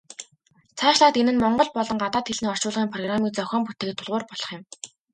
Цаашлаад энэ нь монгол болон гадаад хэлний орчуулгын программыг зохион бүтээхэд тулгуур болох юм.